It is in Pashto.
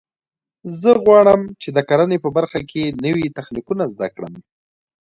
زه غواړم چې د کرنې په برخه کې نوي تخنیکونه زده کړم